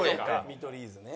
見取り図ね。